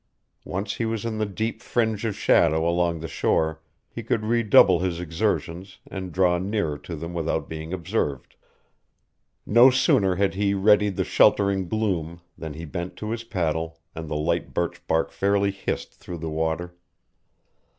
Once he was in the deep fringe of shadow along the shore he could redouble his exertions and draw nearer to them without being observed. No sooner had he readied the sheltering gloom than he bent to his paddle and the light birch bark fairly hissed through the water.